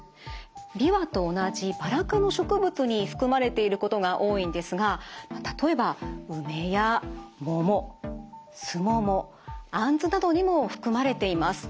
ビワと同じバラ科の植物に含まれていることが多いんですが例えばウメやモモスモモアンズなどにも含まれています。